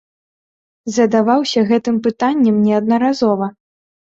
Задаваўся гэтым пытаннем неаднаразова.